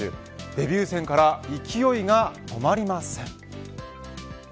デビュー戦から勢いが止まりません。